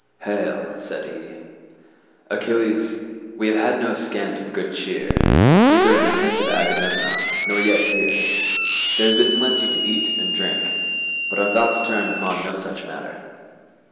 "Hail," said he, "Achilles, we have had no scant of good cheer, neither in the tent of Agamemnon, nor yet here; there has been plenty to eat and drink, but our thought turns upon no such matter.